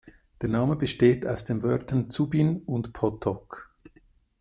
Der Name besteht aus den Wörtern "Zubin" und "Potok".